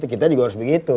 kita juga harus begitu